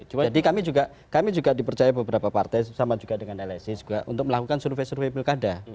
jadi kami juga dipercaya beberapa partai sama juga dengan lsi juga untuk melakukan survei survei pilkada